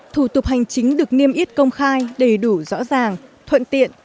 thủ tục hành chính được niêm yết công khai đầy đủ rõ ràng thuận tiện